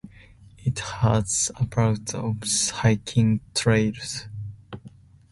It has about of hiking trails.